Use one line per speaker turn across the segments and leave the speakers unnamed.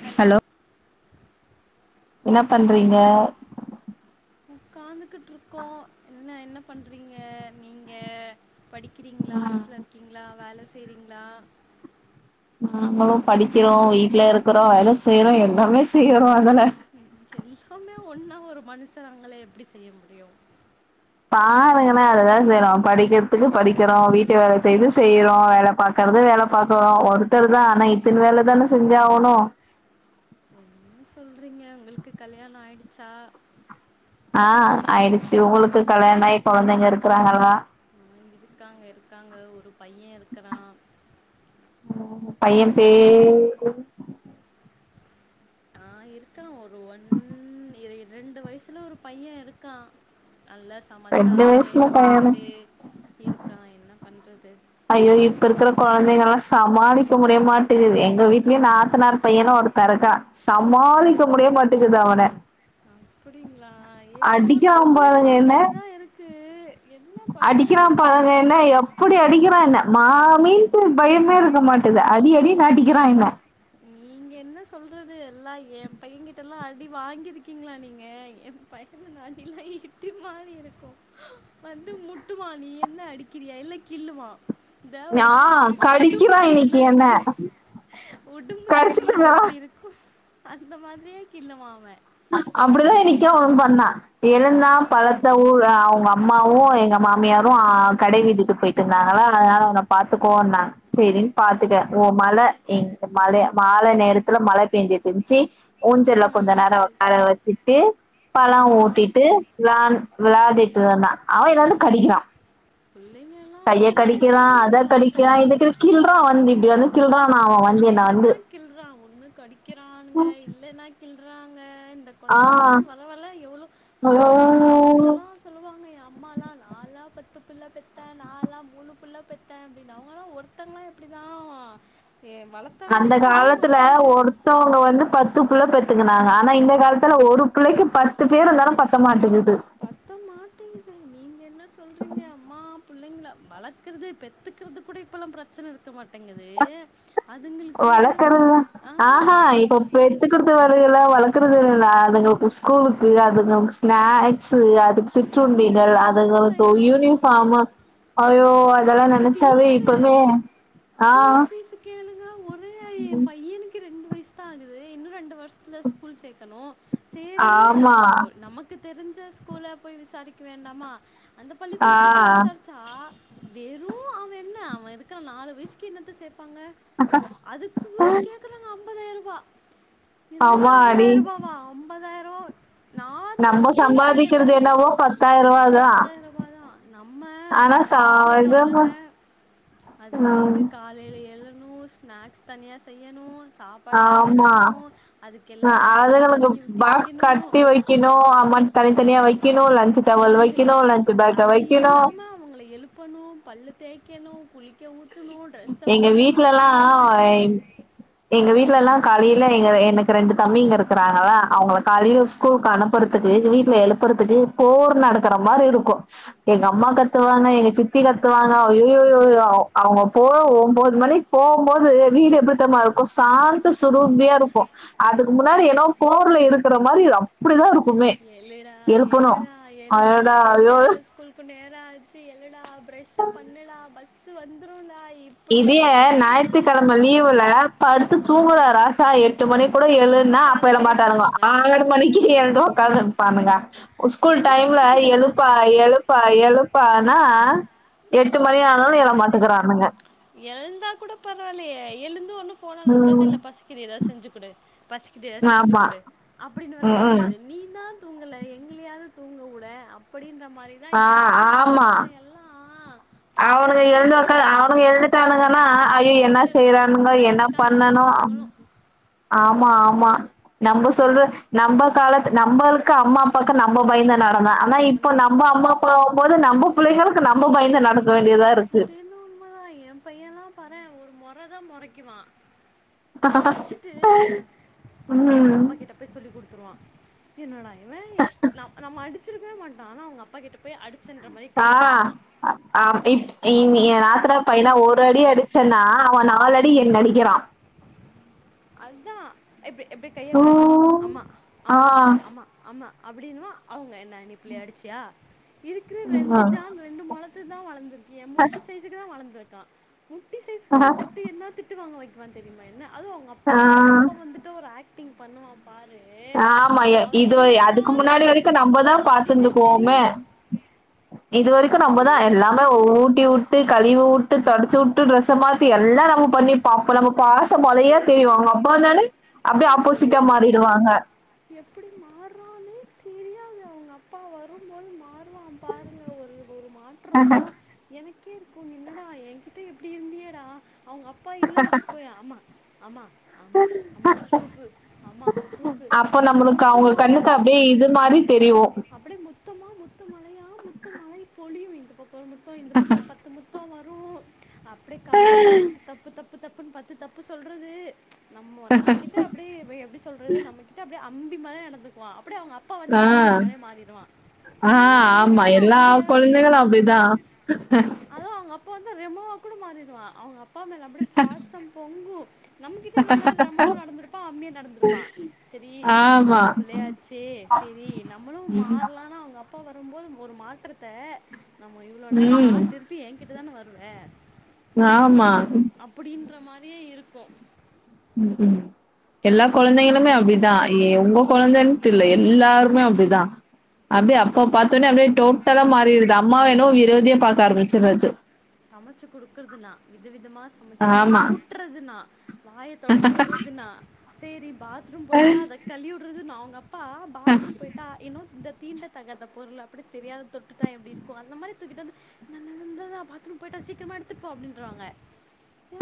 Hello
என்ன பண்றீங்க
உ க்காந்துகிட்டு இருக்கோம் என்ன என்ன பண்றீங்க நீங்க படிக்கிறீங்களா வீட்டுல இருக்கீங்களா வேல செய்ரிங்களா
நாங்களும் படிக்கிறோம் வீட்ல இருக்குறோம் வேலை செய்யறோம் எல்லாமே செய்றோம் அதல்ல
எப்பவுமே ஒன்னா ஒரு மனுஷன் நாங்களே எப்படி செய்ய முடியும்
நா படிக்கிறதுக்கு படிக்கிறோம் வீட்டு வேல செய்து செய்றோம் வேல பாக்கறது வேல பாக்குறோ ஒருத்தர் தா ஆனா இத்தின் வேல தான செஞ்சாவணு
என்ன சொல்றீங்க உங்களுக்கு கல்யாணொ ஆயிடுச்சா
ஆஹ் ஆயிடுச்சு உங்களுக்கு கல்யாணாயி கொழந்தைங்க இருக்குறாங்களா
ஆ இருக்காங்க இருக்காங்க ஒரு பையன் இருக்குறான்
பைய்யன் பேரு
ஆ இருக்கான் ஒரு வன் இரை ரெண்டு வயசுல ஒரு பையன் இருக்கான் நல்லா சமத்தா
ரெண்டு வயசுல
சேட்ட
பையனு
பண்ணிக்கிட்டு இரு கா என்ன பண்றது
ஐய்யோ இப்ப இருக்குற கொழந்தைங்கலா சமாளிக்க முடிய மாட்டிகுது எங்க வீட்லயு நாத்தனாறு பையனு ஒருத்த இருக்கான் சமாளிக்க முடிய மாட்டிகுது அவன
அப்புடிங்களா எ இப்போ இருக்க
அடிக்காம
புள்ளைங்களா அப்புடிதா இருக்
அடிக்கிறா பாருங்க
தெரியல
என்ன எப்புடி அடிக்கிறான் என்ன மா மீன்ட்டு பயமே இருக்க மாட்டிது அடி அடினு அடிக்கிறான் என்ன
நீங்க என்ன சொல்றது எல்லா என் பைய்யங் கிட்டலா அடி வாங்கிருக்கீங்ளா நீங்க என் பையன அடிலா இடி மாறி இருக்கு வந்து முட்டுமா நீ என்ன அடிக்கிறியா இல்ல கிள்ளுவா இந்த ஒரு மாரி
நான்
உடும்பு
கடிக்கிறான்
கில்லுன்ன
இன்னைக்கு என்ன
எப்டி உடும்பு
கடிச்சிட்டு
கிள்ளுனா
இருக்கான்
எப்டி இருக்கு அந்த மாதிரியே கிள்ளுவா அவ
அப்டிதா இன்னிக்கு அவன் பண்ணான் எழுந்தா பழத்த ஊர் அவுங்கம்மாவு எங்க மாமியாரு ஆ கடை வீதிக்கு போயிட்டிருந்தாங்களா அதனால அவன பாத்துக்கோ நா செரின் பாத்துக்க ஓ மல இங்க மழய மாலை நேரத்துல மழ பேயஞ்சுட்டிர்ன்ச்சி ஊஞ்சல்ல கொஞ்ச
ம்,
நேரோ
சரி
அழ வச்சிட்டு பழோ
ஆ
ஊட்டிட்டு விளான் விளாடீட்டிருந்தா அவ என்னவந்து கட்டிக்கிறான்
புள்ளைங்கல்லா அப்டிதா இருக்காங்க
அத
ஆ கைய
கடிக்கிறான் இதுக்கு கில்றான் வந்து இப்படி வந்து கில்றான் அவன் வந்து என்ன வந்து
அப்புடிதா கில்றான் ஒண்ணு கடிக்கிறானுங்க இல்லன்னா கில் இந்த குழந்தைங்கலா பரவால்ல எவ்வளோ அ அந்த
ஆ
காலத்துலல்லா சொல்லுவாங்க ஏன் அம்மாலாம் நாலா பத் புள்ள பெத்த நாலா மூணு புள்ள பெத்தே அப்டின்னு அவுங்கல்லா ஒருத்தங்களா எப்படிதா
அந்த காலத்துல ஒருத்தவங்க வந்து பத்து புள்ள பெத்துக்குனாங்க ஆனா இந்த காலத்துல ஒரு பிள்ளைக்கு பத்து பேர் இருந்தாலும் பத்த மாட்டேங்கு
பத்த மாட்டேங்குது நீங்க என்ன சொல்றீங்க அம்மா புள்ளைங்களா வளக்கறது பெத்துக்கிறது கூட இப்பல்லா பிரச்சன இருக்க மாட்
வளக்கறதுதா
ஆ
ஆஹா
அது
இப்ப பெத்துக்குறது வரல வளக்கற் [unintelligible] அதுங்களுக்கு ஸ்கூலுக்கு அதுங்கள்க்கு ஸ்நாக்ஸு சிட்ருண்டிடள்
என்னெல்லாம்
அதுங்களுக்கு
சைலண்ட்
யூனிஃபார்மு ஐயோ அதெல்லா நெனச்சாவே
ஃபீஸு
இப்பமே ஆஹ்
அ ஏன் பையனுக்கு ரெண் வயசுதா ஆகுது இன்னு ரெண்டு வருஷ் த்துல ஸ்கூல் சேக்கணு சேரின்னு
ஆமா
ஒரு நமக்கு தெரிஞ்ச ஸ்கூல போய் விசாரிக்க வேண்டாமா அந்த
ஆ
பள்ளிக்கூடத்துல போய் விசாரிச்சா வெறு அவெ என்ன அவன் இருக்கற நாலு வயசுக்கு என்னத்த சே பாங்க அதுக்கு கேக்குறாங்க அம் ம்பதாயிரூபா
அம்மாடி
ஐம்பதாயிரம் நார்மல் ஸ்கூல்ல போய் கேட்டாலு
என்னவோ பத்தாயிரூவாதா
பத்தாயிரூபாயா நம்ம
ஆனா
நம்ம
சா
வீட்டுல உள்ள
இது
ஆளுங்க
ம்
அதுங்களுக்கு காலையில எழு னு ஸ்நாக்ஸ் தனியா செய்யணு
ஆமா அ
பாட்டிலில்
அதுகளுக்கு
தண்ணி ஊற்றி
பாக்ஸ்
வைக்கணும்
கட்டி வைக்கணு அம தனித்தனியா வைக்
எழுந்து அது அது
வைக்கணு
இல்லாம அவங்கள எழுப்பணு பல் தேக்கனு குளிக்க ஊத்
எங்க வீட்லெல்லா
மாட்டணும்
எங் எங்க வீட்லெல்லா காலை ல எங்க எனக்கு ரெண்டு தம்பி இங்க இருக்கிறாங்களா அவங்க காலையில ஸ்கூல்க்கு அனுப்புறத்துக்கு வீட்டுல எழுப்புறத்துக்கு போர் நடக்கற மாரி இருக்கு எங்க அம்மா கத்துவாங்க எங்க சித்தி கத்துவாங்க அய்யய்யோ அவங்க போ ஒம்போது மணிக்கு போம்போது வீடு எப்படித்தெமா இருக்கு சாந்த சுரூபியா இருக்கு அதுக்கு முன்னாடி ஏனோ போர்ல இருக்கிற மாரி அப்டிதா இருக்
எழுடா எழுடா எழுடா
அடடா
எழுடா
ஐயோ
ஸ்கூல்க்கு நேரம் ஆச்சு எழுடா ஃப்ரெஷ்ஷப் பண்ணுடா பஸ் வந்துருன்டா
இதே நாயித்துக்கெழம லீவுல ப டுத்து தூங்குறா ராசா எட்டு மணிக் கூட எழுன்னா அப்பெழ
காலையில
மாட்டானுங்கோ
எழுந்துருவாங்க
ஆறு மணிக்கு எழுந்து ஒக்காந்து பானுங்க ஸ்கூல்
எழுந்து
டைம்ல
பசிக்குதுன்னு வேற
எழுப்பா
சொல்றது
எழுப்பா எழுப்பானா எட்டு மணி ஆனாலு எழ மாட்டுக்றானுங்க
எழுந்தா கூட பரவால்லையே எழுந்து ஒன்னு ஃபோன நோண்றது
ம்
இல்ல பசிக்குது எதா செஞ்சு குடு பசிக்குது எத செஞ்சு
ஆமா
குடு அப்படின்னு வேற
ம் ம்
சொல்றது நீன் தா தூங்கல எங்ளயாவது தூங்க வுடே அப்படிங்கா மாரிதா
ஆ
இருக்குது நெலமயெல்லா
அவனுக எழுந்தாக்க அவனுக எழு
சொல்றது நா என்ன கேக்கறது அப்படின் தா
என்ன
இருக்காங்க எல்லா
பண்ணனு
பசங்களு
ஆமா ஆமா நம்ப சொல்ற நம்ப காலத்து நம்பள்க்கு அம்மா அப்பாக்கு நம்ம பயந்த நா தானா ஆனா இப்போ
அது
நம்ப அம்மா அப்பா ஆகுபோது நம்போ புள்ளைகள்க்கு நம்போ பயந்து நட
அதென்னவோ உண்ம தா எ பையன்லா பா னா ஒரு மொற தா மொறைக்குவா மொறச்சிட்டு அப்டியே
ம்
அவங்கப்பா கிட்ட போய் சொல்லி் குடுத்துருவா என்னடா‌ இவ எ ந நம்ம அடி ச்சிருக்கவே மாட்டா ஆன அவங்க அப்பா கிட்ட போய் அடுச்சேன்ற மாரி கைய காட்டுவா
எ என் நாத்தனா பையனா ஒரு அடி அடிச்சேன்னா அவ நாலடி என்ன அடிக்கிறா
அதா இப்டி இப்டி கைய
ஓ
காட்டுவா அம்மா
ஆ
அம்மா அம்மா அம்மா அப்படின்னா அவுங்க என்ன நீ புள்ளய அடிச்சியா இருக்குற ரெண்டு
ம்.
ஜான் ரெண்டு முழத்துதா வளந்துருக்கு எ முட்டி சைசுக்கு தா வளர்ந்து நா முட்டி சைஸ்க்கு
ஆஹா.
வளந்துட்டு என்ன திட்டு வாங்க வை வா தெரிமா என்ன அதுவு அவங்க அப்பா
ஆ
அவங்க அப்பா வந்துட்டா ஒரு ஆக் க்டிங் பண்ணுவா
ஆமா எ இது அதுக்கு
என்னதான்
முன்னாடி வரைக்கு
நினச்சிக்கிட்டு
நம்பதா
இருக்கான் அப்படின்னே
பாத்துர்ந்திருப்போமே
தெரியல
இது வரைக்கும் நம்மதா
புரியவே மா
எல்லாமே ஊட்டி ஊட்டு கழிவு உட் தொடச்சி வுட்டு ட்ரஸமாத்தி எல்லாம் நம் பண்ணிருப்போ அப்ப நம்ம பாஸ் மொதையே
அப்படியே மா
தெரிவா அவங்கப்பா வந்தாலே அப்டியே ஆப்போசிட்டா
மாறிடுவான்
மாறிடுவாங்க
எப்படி மாறுறான்னே தெரியாது அவ்ங்க அப்பா வரும்போது மா றுவா பாருங்க ஒரு ஒரு மாற்றோ எனக்கேருக்கு என்னடா எங்கிட் ப இப்டி இருந்தியேடா அவங்க அப்பா இல்லன் வச்சுக்கோயே ஆமா ஆமா ஆமா அம்மா தூக்கு அம்மா தூக்கு
அப்ப
அம்மா
நம்மளுக்கு அவங்க
தூக்குனுவா
கண்ணுக்கு அப்டியே இது மாரி தெரியும்.
அப்படி முத்தமா முத்த மழையா முத்த மழை பொழி ஒரு முத்தோ இந்த பக்கோ ஒரு பத்து முத்தோ அப்டே காத புடுச்சிக்கிட்டு தப்பு தப் பு தப்புன் பத்து தப்பு சொல்றது நம்ம நம்மகிட்ட அப்டியே எப்டி சொல்றது நம்ம கி அம்பி மாரி நடந்துக்குவா அப்டே அவுங்க அப்பா வந்து
ஆ
அன்னியன் மாரி மாறிடுவா
ஆ
ஏடா இவ்ளோ
ஆமா
நேர
எல்லா
அம்பியா இருந்தியேடா
கொழந்தைகளும் அப்டிதான்.
அது அவங்க அப் பா வந்தா ரெமோவா கூட மாறிருவா அவங்க அ ப்பா மேல அப்டே பாசம் பொங்கு நம்மகிட்ட இவ்ளோ நேர ரெமோவா நடந்திருப்பா அம்பியா நடந்திருப்பா ரி நம்ம
ஆமா.
பிள்ளையாச்சே செரி நம்மளு மாறலானா அவங்க அப் பா வரம்போது ஒரு மாற்றத்த நம்ம இவ்ளோ நேர வா
ம்
திருப்பி எங்கிட் டதான வருவ
ஆமா
ற மாரியே இருக்கு
ம் ம் எல்லா கொழந்தைகளுமே அப்டிதா ஏ உங்க ந்தைன்ட்டில்ல எல்லாருமே அப்டிதா அப்டியே அப்பா பாத்தோன்னே அப்டியே டோட்டலா மாறிருது அம்மாவ என்னவோ விரோதியா பாக்க ஆரம்பிச்சர்றது
சமச்சு குடுக்கறது நா வித வித மா சமச்சு
ஆமா
ஊட்றது நா வாய தொடச்சு வுட்றது நா சேரி பாத்ரூம் போயிட்டா அத கழிவுட்றது நா அப்பா பாத்ரூம் போய்ட்டா இன்னு இந்த தீண்ட தகாத பொருள் அப்படி தெரியாத தொட்டுட்டா எப்டிருக்கு அந்த மாரி தூக்கிட்டு வந்து இந்தா ந்தா ந்தா ந்தா பா த்ரூம் போயிட்டா சீக்கிரமா எடுத்துட் போ அப்டின்ருவாங்க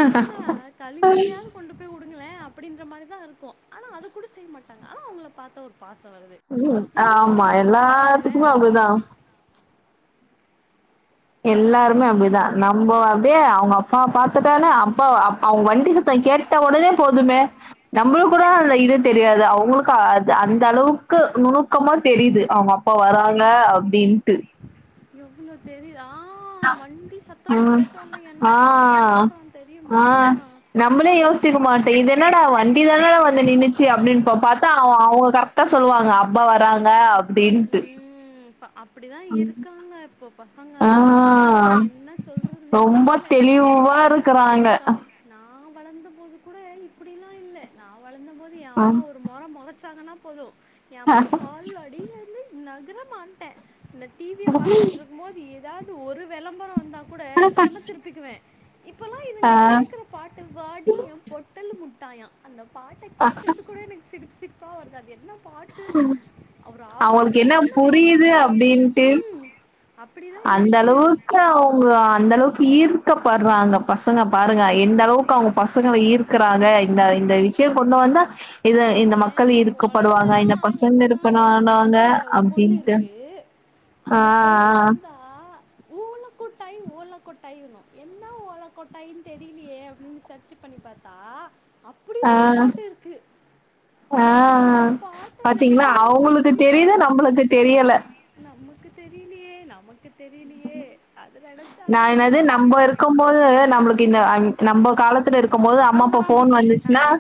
ஏனா கழிதலையாது கொண்டு போய் உடுங் களே அப்படின்ற மாரிதா இருக்கு ஆனா அத கூட செய் மாட்டாங்க ஆனா அவங்கள பாத்தா ஒரு பாசம் வருது
ம்
எல்லாம்
ஆமா
நான் தானே செஞ்சு
எல்லாத்துக்குமே
விடுறேன்
அப்டிதா எல்லாருமே அப்பிடிதா நம்ப அப்டியே அவங்க அப்பா பாத்துட்டானா அப்பா அவங்க வண்டி சத்த கேட்ட உடனே போதுமே நம்மளு கூட அந்த இது தெரியாது அவுங்களுக்கு அ அந்த அளவுக்கு நுணுக்கமா தெரிது அவுங்கப்பா வராங்க அப்டின்ட்டு
எவ்ளோ தெரி
ம்
கேட்டோன்னே என்ன
ஆ
ஓட்ட ஓடுறான்
ஆ
தெரியுமா
நம்மளே யோசிச்சுக்க மாட்டே இது என்னடா வ வண்டிதானடா வந்து நின்னுச்சு அப்டின்னு பாப் பாத்தா அவ அவங்க கரெக்டா சொல்லுவாங்க அப்பா வராங்க அப்டின்ட்டு
அப் படிதா இருக்காங்க இப்போ
ஆ
பசங்கல்லா என்ன சொல்றதுனே
ரொம்ப
தெரில
தெளிவா
ஏ
இருக்கறாங்க
ஏங்கா நா நா வளந்த போது கூட இப்பிடிலா இல்ல வளர்ந்தபோது எ
அ
அம்மா ஒரு மொற மொறச்சாங்கனா புழு ஏ அம்மா கால்ல அடியில நகரமாட்டே இந்த டிவிய பாத்துகிட்டு இருக்கும் போது ஏதா ஒரு விளம்பரொ வந்தா கூட கண்ண திருப்பிக்குவே இப்பல்லா இவங்க கேக்குற பாட்டு வாடி ஏ பொட்டல் முட் முட்டாயா அந்த பாட்ட கேக்கறதுக் கூட எனக்கு சிரிப் சிரிப் பா வருது அது என்ன பாட்டு அப்புறோ ஆ
அவங்களுக்கு என்ன
மோசமான பாட்டா
புரியுது
மாரி வருது
அப்டின்ட்டு
ம் அப்படி தான்
அந்த
இருக்குது
அளவுக்கு அவுங்க அந்த அளவுக்கு ஈர் இருக்கப்படுறாங்க பசங்க பாருங்க எந்த அளவுக்கு அவங்க பசங்கள ஈர்க்குறாங்க இந்த இந்த விஷய கொண்டு வந்தா இது இந்த மக்கள்
என்
ஈர் க்கப்படுவாங்க இந்த
குழந்தலாம்
பசங்க
என்ன
இரு பண்ண ஆனாங்க
பக்கத்து வீட்டில் ஒரு பொண்ணு
அப்டின்ட்டு
இருக்குது அந்த பொண்ணு வந்தா ஊலு கொட்டாய் ஓல கொட்டாய்ன்வா என்ன ஓல கொட்டாயு தெரியலையே அப்டின்னு சர்ச் பண்ணி பாத்தா
ஆ
அப்டின்னு
ஆ
ஒரு பாட்டு இருக்கு
ஆ
அந்த பாட்ட நெனைக்க நெனைக்க
தெரீது நம்புளுக்கு தெரியல
நமக்கு தெரிலியே நமக்கு தெரி
நா என்னாது
போ
நம்போ இருக்கும் போது நம்ளுக் இந்த அ நம்போ காலத்துல இருக்கும் போது அம்மா
வராம்
அப்பா
வராம்
ஃபோன்
பூச்சாண்டி சாங்கு
வந்துச்சுனாஹ்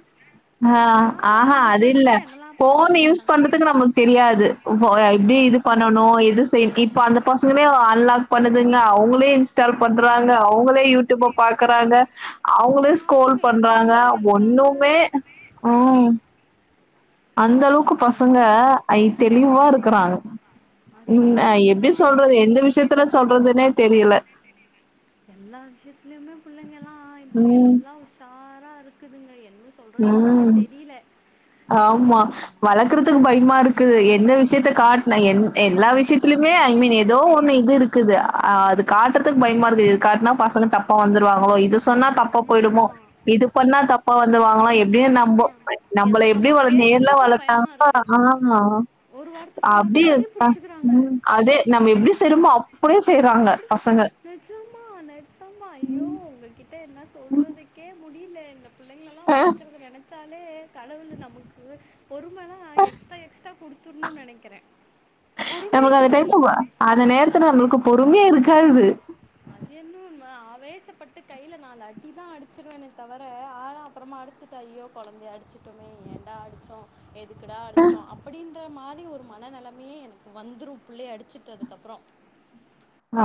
ஆஹ்
வராம்
ஆஹா
வராம்
அது
பூச்சாண்டி
இல்ல
தான் என்னெல்லாம்
ஃபோன்
பார்த்து
யூஸ்
வளர்த்தாங்க
பண்றுதுக்கு நம்ளுக் தெரியாது ஃபோ
தெரியாது
எப்டீ இது பண்ணணூ எது செய் இப் அந்த பசங்களேவா அன்லாக் பண்ணுதுங்க அவுங்க லே இன்ஸ்டால் பண்றாங்க அவுங்களே யூ ட்யூப பாக்குறாங்க அவுங்களே ஸ்கோல்
பாருங்க
பண்றாங்க
எப்படிலாம் இருக்காங்க
ஒண்ணுமே உம் அந்த அளவுக்கு பசங்க ஐ தெளிவா இருக்குறாங்க
அது
ம்
என்னமோ
எப்டி
உண்மதா
சொல்றது
நீங்கெ
எந்த
சொல்றது
விஷயத்துல சொல்றதுன்னே தெரியல.
எல்லா விஷயத்திலுயும புள்ளெங்கெல்லா இப்ப
ம்,
எல்லா உஷாரா இரு க்குதுங்க எல்
ம் ஆமா வளக்குறதுக் பயிம்மாருக்கு எந்த விஷியத்த காட்ன என் எல்லா விஷியித்திலுமே ஐ மீன் எதோ ஒண்ணு இது இருக்குது அது காட்றதுக்கு பயிம்மார்க்கு இது காட்னா பசங்க தப்பா வந்துருவாங்ளோ இதுஸ் சொன்னா தப்பா
ஆமாம்
பொயிடுமோ
ஆமாம்
இது பண்ணா தப்பாவத் துருவாங்கலா எப்டீ
ஆ
நம்போ நம்பள
எதை
எப்டீ
நம்ம
வளந்
பேசுறது
என்னா
கூட பயமா இருக்கு
[unintelligible] ஆமா
ஒரு வார்த்தை சொன்னா
அப்டீ
கூட அதே புடிச்சுக்கிறாங்க
ம் அதே நம்ம எப்டி செய்ரமோ அப்
அப்டி நெஜமா நெஜமா ஐயோ உங்ககிட் ட என்னா சொல்றதுக்கே முடீ லேன்னா புள்ளைங்லலா
அ
வளக்கறது எனக் ச்சாலே கடவுலு நமுக்கூ பொறும தா எக்ஸ்ட்டா எக்ஸ்ட்டா குடுத்துர்ணு நெனக்கிறெபொறுமைய குடுக்குணு
பொறும்யா இருக்காது
அது என்னு உன்மதா ஆவேசப்பட்டு கைல நாலடிதா அடிச்சிருவேன்னே தவர ஆலா அப்பறமா அடிசிட்ட ஐயோ கொழந்தய அடிச்சிட்டோமே ஏன்டா அடிச்சோ ஏ துக்குடா அடிச்சோ அப்படின் ன்ற மாரி ஒரு மனநெலமயே எனக்கு வந்துரு புள்ளய அடிச்சட்டுதுக்கப்பறோ